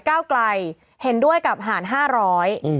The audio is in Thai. ก้าวไกลเห็นด้วยกับหารห้าร้อย